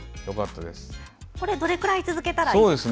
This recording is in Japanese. どれくらい続けたらいいですか。